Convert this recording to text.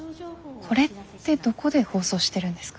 これってどこで放送してるんですか？